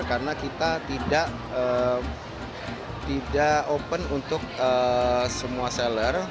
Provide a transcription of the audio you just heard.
karena kita tidak open untuk semua seller